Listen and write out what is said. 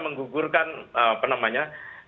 menggugurkan apa namanya